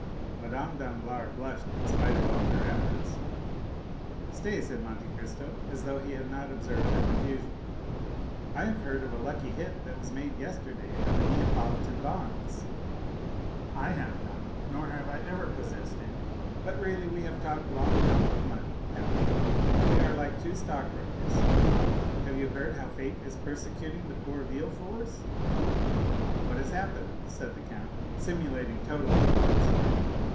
Madame Danglars blushed, in spite of all her efforts. "Stay," said Monte Cristo, as though he had not observed her confusion, "I have heard of a lucky hit that was made yesterday on the Neapolitan bonds." "I have none—nor have I ever possessed any; but really we have talked long enough of money, count, we are like two stockbrokers; have you heard how fate is persecuting the poor Villeforts?" "What has happened?" said the count, simulating total ignorance.